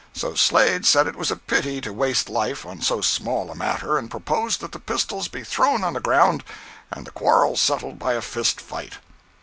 So Slade said it was a pity to waste life on so small a matter, and proposed that the pistols be thrown on the ground and the quarrel settled by a fist fight.